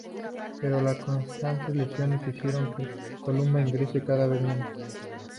Pero las constantes lesiones hicieron que Colman ingrese cada vez menos.